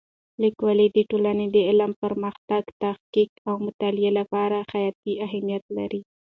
لیکوالی د ټولنې د علمي پرمختګ، تحقیق او مطالعې لپاره حیاتي اهمیت لري.